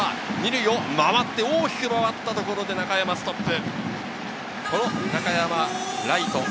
２塁を大きく回ったところで中山、ストップ。